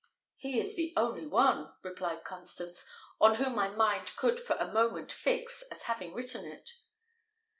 "He is the only one," replied Constance, "on whom my mind could for a moment fix as having written it."